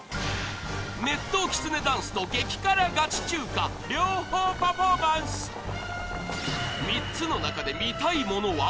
熱湯きつねダンスと激辛ガチ中華両方パフォーマンス３つの中で見たいものは？